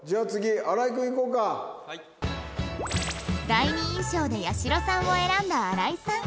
第二印象で８４６さんを選んだ荒井さん